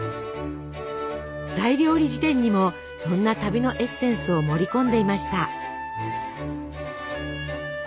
「大料理事典」にもそんな旅のエッセンスを盛り込んでいました。